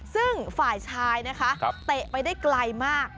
ซึ่งฝ่ายชายนะคะเตะไปได้ไกลมาก